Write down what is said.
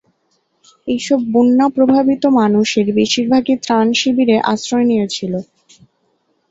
এই সব বন্যা প্রভাবিত মানুষের বেশির ভাগই ত্রাণ শিবিরে আশ্রয় নিয়েছিল।